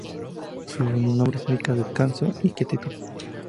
Su nombre significa "descanso" o "quietud".